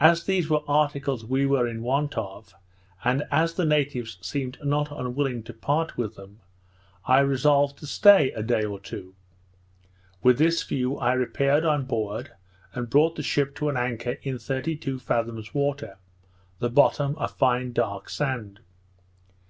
As these were articles we were in want of, and as the natives seemed not unwilling to part with them, I resolved to stay a day or two. With this view I repaired on board, and brought the ship to an anchor in thirty two fathoms water; the bottom a fine dark sand.